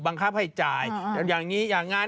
บังคับให้จ่ายอย่างนี้อย่างนั้น